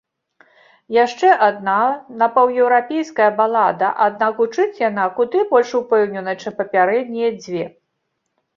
Яшчэ адна напаўеўрапейская балада, аднак гучыць яна куды больш упэўнена, чым папярэднія дзве.